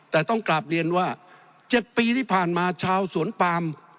แต่ต้องกลับเรียนว่า๗ปีที่ผ่านมาชาวสวนปาม